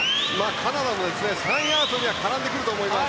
カナダも３位争いには絡んでくると思います。